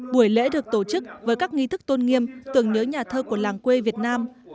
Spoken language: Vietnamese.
buổi lễ được tổ chức với các nghi thức tôn nghiêm tưởng nhớ nhà thơ của làng quê việt nam